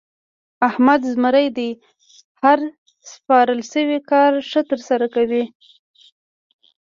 احمد زمری دی؛ هر سپارل شوی کار ښه ترسره کوي.